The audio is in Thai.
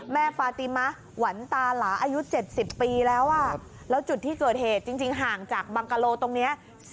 ฟาติมะหวันตาหลาอายุ๗๐ปีแล้วแล้วจุดที่เกิดเหตุจริงห่างจากบังกะโลตรงนี้